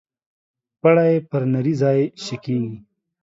پړى پر نري ځاى شکېږي.